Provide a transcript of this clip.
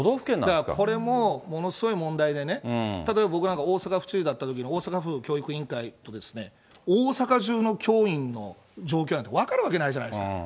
これもものすごい問題でね、例えば僕なんか大阪府知事だったときに大阪府教育委員会と大阪中の教員の状況なんて分かるわけないじゃないですか。